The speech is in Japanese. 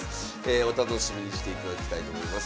お楽しみにしていただきたいと思います。